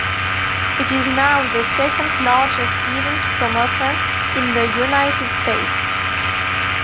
It is now the second-largest event promoter in the United States.